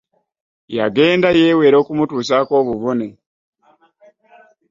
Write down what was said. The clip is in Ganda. Yagenda yewera okumutuusaako obuvune.